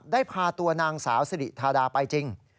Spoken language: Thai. ได้พาตัวนางสาวสิริธาดาไปจริง